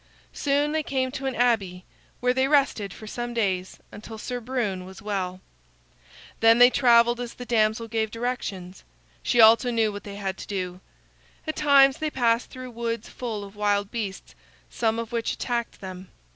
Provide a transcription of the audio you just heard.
Soon they came to an abbey, where they rested for some days until Sir Brune was well. Then they traveled as the damsel gave directions. She always knew what they had to do. At times they passed through woods full of wild beasts, some of which attacked them.